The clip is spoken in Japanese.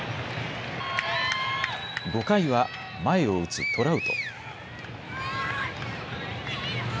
５回は前を打つトラウト。